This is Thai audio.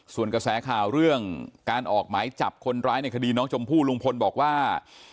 ส่วนกระแสข่าวเรื่องการออกหมายจับคนร้ายในคดีน้องชมพู่ลุงพลบอกว่า